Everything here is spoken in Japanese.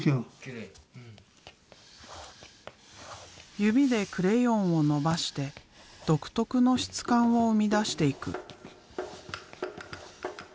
指でクレヨンをのばして独特の質感を生み出していく。